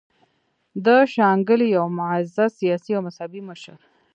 د شانګلې يو معزز سياسي او مذهبي مشر